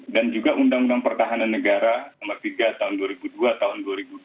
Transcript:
dan juga undang undang pertahanan negara nomor tiga tahun dua ribu dua dua ribu tiga